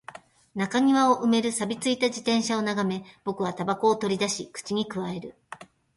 中庭を埋める錆び付いた自転車を眺め、僕は煙草を取り出し、口に咥える